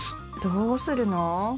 どうするの？